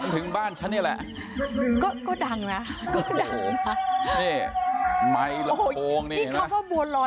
ถึงบ้านฉะนี้แหละก็ก็ดังนะก็ดังนะ